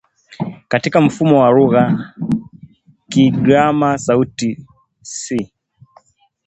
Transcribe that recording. Katika mfumo wa lugha ya Kigiriama sauti "s"